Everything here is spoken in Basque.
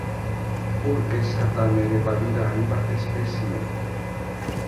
Ur gezatan ere badira hainbat espezie.